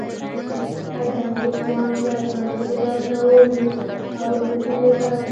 اردني ځوان له کړکۍ لاس راوویست او ځمکې ته یې اشاره وکړه.